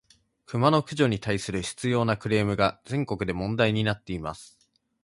クマの駆除に対する執拗（しつよう）なクレームが、全国で問題になっています。